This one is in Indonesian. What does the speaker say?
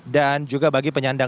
dan juga bagi penyandang